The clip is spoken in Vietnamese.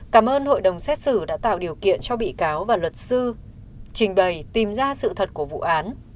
cảm ơn hội đồng xét xử đã tạo điều kiện cho bị cáo và luật sư trình bày tìm ra sự thật của vụ án